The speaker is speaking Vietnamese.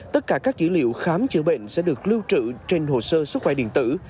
tất cả các dữ liệu khám chữa bệnh sẽ được lưu trữ trên hồ sơ sức khỏe điện tử